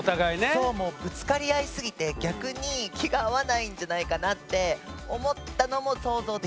そうもうぶつかり合いすぎて逆に気が合わないんじゃないかなって思ったのも想像できるなって。